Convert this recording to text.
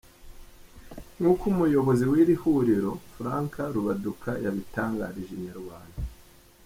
Nk’uko umuyobozi w’iri huriro, Frank Rubaduka yabitangarije Inyarwanda.